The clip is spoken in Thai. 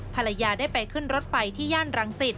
ภรรยาได้ไปขึ้นรถไฟที่ย่านรังสิต